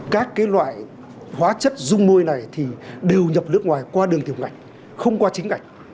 các loại hóa chất dung môi này thì đều nhập nước ngoài qua đường tiểu ngạch không qua chính ngạch